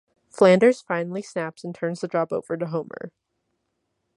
Flanders finally snaps and turns the job over to Homer.